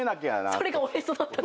それがおへそだったと。